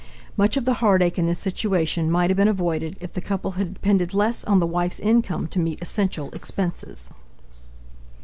Much of the heartache in this situation might have been avoided if the couple had depended less on the wife's income to meet essential expenses.